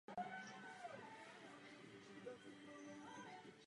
Je to fakt a můžete se o tom přesvědčit sami.